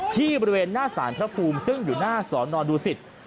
ที่บริเวณหน้าสารพระภูมิซึ่งอยู่หน้าสอนอดูสิต